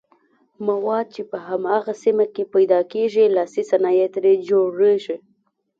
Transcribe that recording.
مواد چې په هماغه سیمه کې پیداکیږي لاسي صنایع ترې جوړوي.